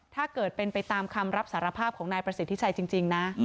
ถ้าเกิดเป็นไปตามคำรับสารภาพของนายประสิทธิชัยจริงนะ